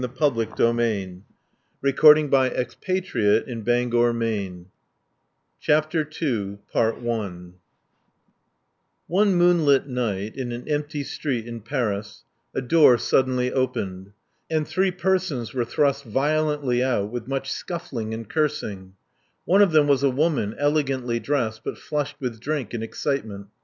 He sighed, and resumed his work in spite of the fading light CHAPTER II One moonlit night, in an empty street in Paris, a door suddenly opened; and three persons were thrust violently out with much scuffling and cursing. One of them was a woman, elegantly dressed, but flushed with drink and excitement.